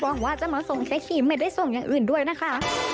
หวังว่าจะมาส่งเจ๊คิมไม่ได้ส่งอย่างอื่นด้วยนะคะ